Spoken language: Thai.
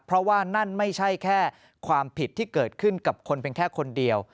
เพราะว่านั่นไม่ใช่แค่ความผิดที่เกิดขึ้นกับคนเป็นแค่คนเดียว